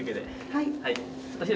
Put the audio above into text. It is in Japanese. はい。